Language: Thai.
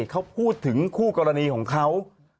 เขาพูดถึงคู่กรณีของเขา